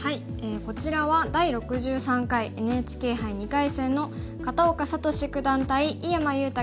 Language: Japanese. こちらは第６３回ＮＨＫ杯２回戦の片岡聡九段対井山裕太